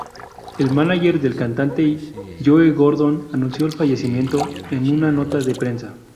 El mánager del cantante, Joe Gordon, anunció el fallecimiento en una nota de prensa.